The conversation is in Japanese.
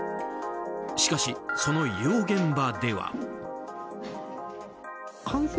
しかし、その医療現場では。